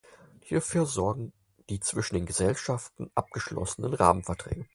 Hierfür sorgen die zwischen den Gesellschaften abgeschlossenen Rahmenverträge.